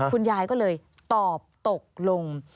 คุณยายก็เลยตอบตกลง